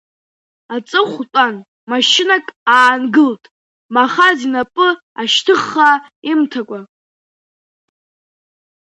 Аҵыхәтәан машьынак аангылт, Махаз инапы ашьҭыхха имҭакәа.